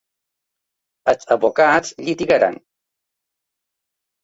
Els advocats litigaran.